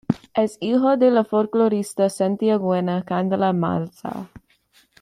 Es hijo de la folklorista santiagueña Candela Mazza.